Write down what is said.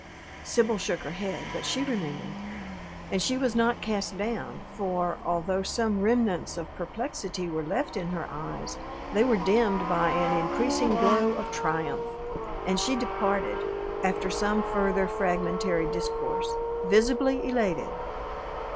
Sibyl shook her head, but she remembered. And she was not cast down, for, although some remnants of perplexity were left in her eyes, they were dimmed by an increasing glow of triumph; and she departed after some further fragmentary discourse visibly elated.